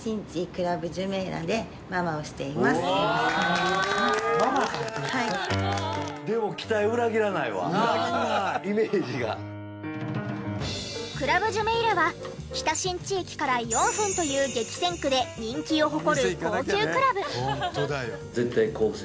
クラブジュメイラは北新地駅から４分という激戦区で人気を誇る高級クラブ。